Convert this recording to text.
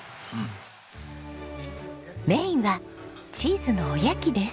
メインはチーズのお焼きです。